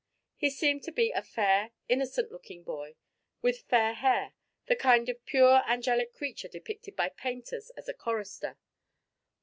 He seemed to be a fair, innocent looking boy with fair hair the kind of pure angelic creature depicted by painters as a chorister."